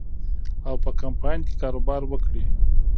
او په کمپاین کې کاروبار وکړي.